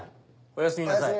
おやすみなさい。